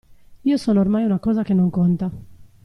Io sono ormai una cosa che non conta.